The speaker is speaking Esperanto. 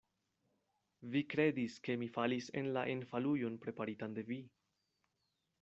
Vi kredis, ke mi falis en la enfalujon preparitan de vi.